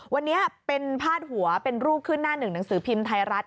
วันนี้เป็นพาดหัวเป็นรูปขึ้นหน้าหนึ่งหนังสือพิมพ์ไทยรัฐ